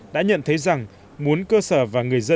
đã nhận thấy rằng muốn cơ sở và người dân